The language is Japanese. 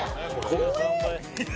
怖え